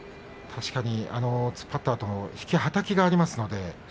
確かに突っ張ったあと引き、はたきがありますんでね。